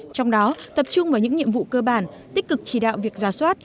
trong đó tập trung vào những nhiệm vụ cơ bản tích cực chỉ đạo việc giả soát